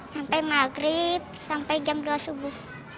sampai maghrib sampai jam dua subuh